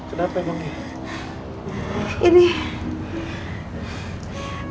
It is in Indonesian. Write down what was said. kenapa emang ya